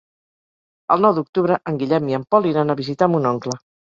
El nou d'octubre en Guillem i en Pol iran a visitar mon oncle.